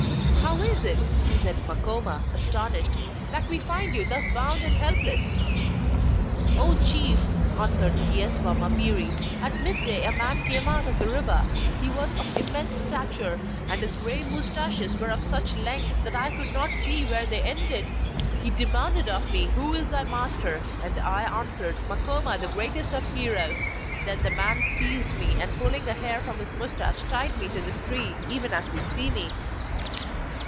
'How is it,' said Makoma, astonished, 'that we find you thus bound and helpless?' 'O Chief,' answered Chi eswa mapiri, 'at mid day a man came out of the river; he was of immense statue, and his grey moustaches were of such length that I could not see where they ended! He demanded of me "Who is thy master?" And I answered: "Makoma, the greatest of heroes." Then the man seized me, and pulling a hair from his moustache, tied me to this tree even as you see me.